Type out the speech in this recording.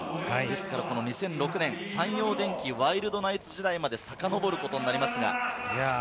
２００６年、三洋電機ワイルドナイツ時代までさかのぼることになります。